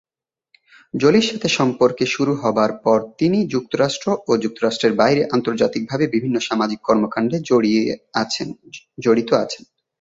জোলির সাথে সম্পর্কে শুরু হবার পর তিনি যুক্তরাষ্ট্র ও যুক্তরাষ্ট্রের বাইরে আন্তর্জাতিকভাবে বিভিন্ন সামাজিক কর্মকাণ্ডে জড়িত আছেন।